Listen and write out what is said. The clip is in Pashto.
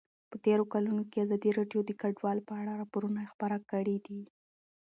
په تېرو کلونو کې ازادي راډیو د کډوال په اړه راپورونه خپاره کړي دي.